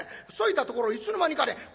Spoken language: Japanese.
そいだところいつの間にかね